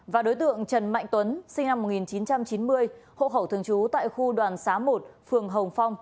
và đối tượng trần mạnh tuấn sinh năm một nghìn chín trăm chín mươi hộ khẩu thường trú tại khu đoàn xá một phường hồng phong